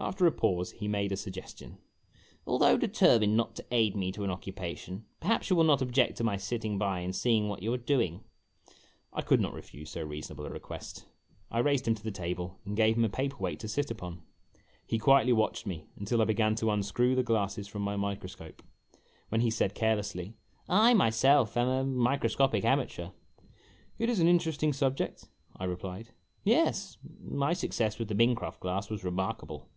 After a pause he made a suggestion. " Although determined not to aid. me to an occupation, perhaps you will not object to my sitting by and seeing what you are doing ?' I could not refuse so reasonable a request. I raised him to the table and gave him a paper weight to sit upon. He quietly watched me until I began to unscrew the glasses from my microscope, when he said carelessly: "I myself am a microscopic amateur !"" It is an interesting subject," I replied. "Yes. My success with the Mincroft glass was remarkable."